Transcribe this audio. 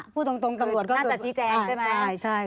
พูดตรงตำรวจก็น่าจะชี้แจงใช่ไหม